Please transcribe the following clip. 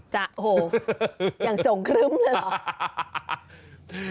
จ้ะโหอย่างจงครึ่มเลยเหรอ